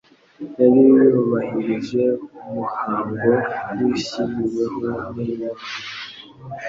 yari yubahirije umuhango wishyiriweho n'Imana.